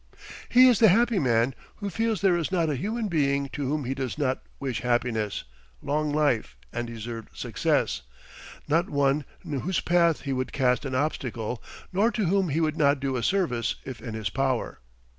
He is the happy man who feels there is not a human being to whom he does not wish happiness, long life, and deserved success, not one in whose path he would cast an obstacle nor to whom he would not do a service if in his power.